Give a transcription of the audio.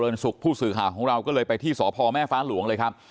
สุขผู้สื่อข่าวของเราก็เลยไปที่สพแม่ฟ้าหลวงเลยครับ